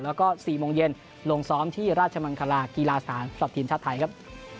แล้วก็๔โมงเย็นลงซ้อมที่ราชมังคลากีฬาสถานสำหรับทีมชาติไทยครับ